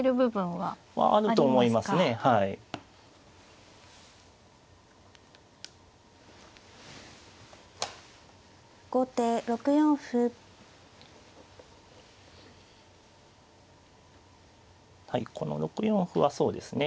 はいこの６四歩はそうですね